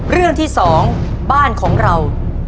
เรื่องที่๒บ้านของเรา